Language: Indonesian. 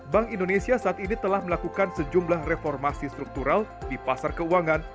bank indonesia saat ini telah melakukan sejumlah reformasi struktural di pasar keuangan